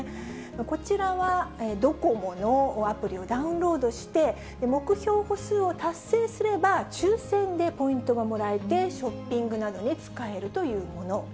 こちらは、ドコモのアプリをダウンロードして、目標歩数を達成すれば抽せんでポイントがもらえて、ショッピングなどに使えるというもの。